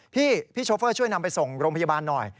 พี่โชเฟอร์ช่วยนำไปส่งโรงพยาบาลหน่อย